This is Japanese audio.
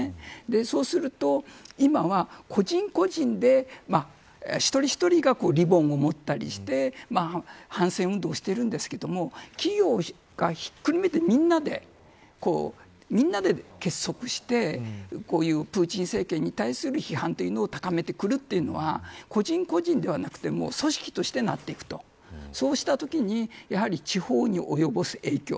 そうすると今は、個人個人で一人一人がリボンを持ったりして反戦運動をしているんですけれども企業が、ひっくるめてみんなで結束してこういうプーチン政権に対する批判というのを高めてくるというのは個人個人ではなく組織としてなっていくそうしたときにやはり地方に及ぶ影響